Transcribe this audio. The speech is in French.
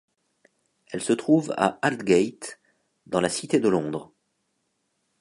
Elle se trouve à Aldgate, dans la Cité de Londres.